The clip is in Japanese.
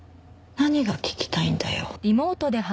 何が聞きたいんだよ？